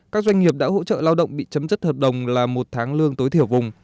các doanh nghiệp đã hỗ trợ lao động bị chấm dứt hợp đồng là một tháng lương tối thiểu vùng